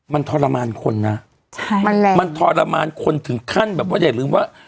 มันทรมานคนนะใช่มันแรงมันทรมานคนถึงขั้นแบบว่าอย่าลืมว่า